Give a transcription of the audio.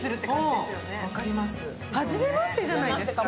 初めましてじゃないですか？